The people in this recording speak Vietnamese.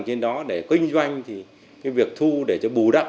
các hạ tầng trên đó để kinh doanh thì cái việc thu để cho bù đắp